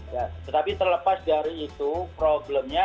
ya tetapi terlepas dari itu problemnya